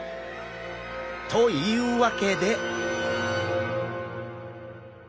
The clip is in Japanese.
というわけで。